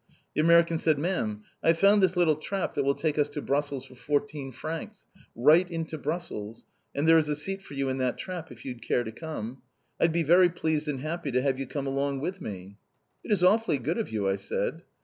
The American said: "Ma'am, I have found this little trap that will take us to Brussels for fourteen francs right into Brussels, and there is a seat for you in that trap if you'd care to come. I'd be very pleased and happy to have you come along with me!" "It is awfully good of you!" I said.